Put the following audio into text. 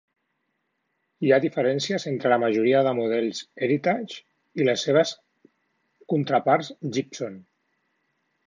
Hi ha diferències entre la majoria de models Heritage i les seves contraparts Gibson.